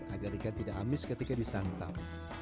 agar ikan tidak amis ketika disantap